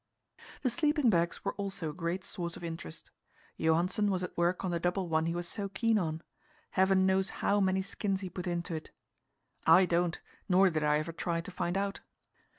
The sleeping bags were also a great source of interest. Johansen was at work on the double one he was so keen on. Heaven knows how many skins he put into it! I don't, nor did I ever try to find out.